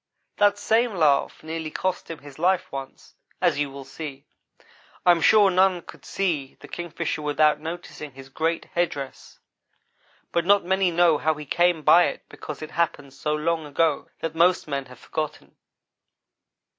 That same laugh nearly cost him his life once, as you will see. I am sure none could see the Kingfisher without noticing his great head dress, but not many know how he came by it because it happened so long ago that most men have forgotten.